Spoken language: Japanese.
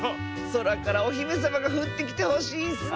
そらからおひめさまがふってきてほしいッスね！